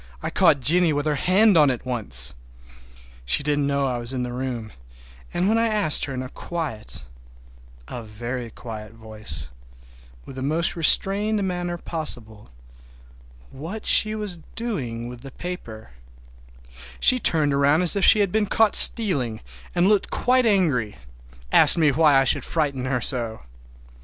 I caught Jennie with her hand on it once. She didn't know I was in the room, and when I asked her in a quiet, a very quiet voice, with the most restrained manner possible, what she was doing with the paper she turned around as if she had been caught stealing, and looked quite angry—asked me why I should frighten her so!